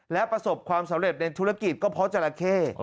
และประสบความสำเร็จในธุรกิจก็เพราะจราเข้